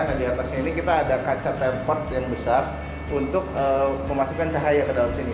nah di atasnya ini kita ada kaca tempot yang besar untuk memasukkan cahaya ke dalam sini